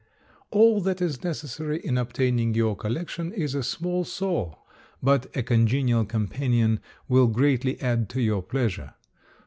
All that is necessary in obtaining your collection is a small saw, but a congenial companion will greatly add to your pleasure.